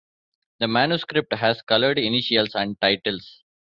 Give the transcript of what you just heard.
The manuscript has colored initials and titles.